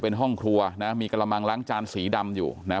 เป็นห้องครัวนะมีกระมังล้างจานสีดำอยู่นะ